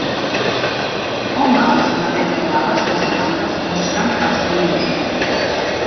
Home amb samarreta blava sense mànigues mostrant el seu invent.